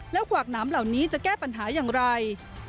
แล้วกวากน้ำเหล่านี้จะแก้ปัญหาอย่างไร